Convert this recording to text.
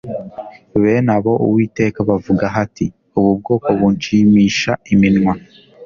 bene abo uwiteka abavugaho ati ubu bwoko bunshimisha iminwa